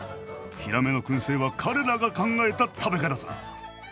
ヒラメの燻製は彼らが考えた食べ方さ。